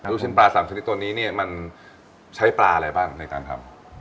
ลูกชิ้นปลา๓ชนิดตัวนี้เนี่ยมันใช้ปลาอะไรบ้างในการทำ